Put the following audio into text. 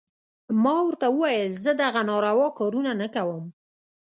ما ورته وويل زه دغه ناروا کارونه نه کوم.